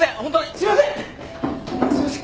すいません。